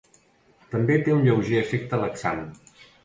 També té un lleuger efecte laxant.